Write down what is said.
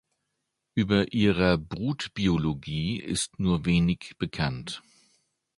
Über ihrer Brutbiologie ist nur wenig bekannt.